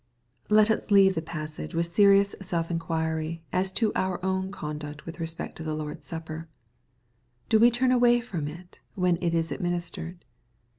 Let us leave the passage with serious self inquiry as to our own conduct with respect to the Lord's Supper. Do we turn away from it, when it is administered